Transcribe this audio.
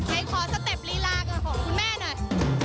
ไหนขอสเต็ปลีลากันของคุณแม่หน่อย